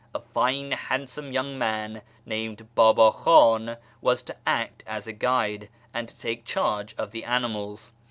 A fine handsome young man named Babii Khan was to act as guide, and to take charge of the animals.